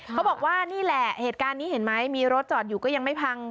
เขาบอกว่านี่แหละเหตุการณ์นี้เห็นไหมมีรถจอดอยู่ก็ยังไม่พัง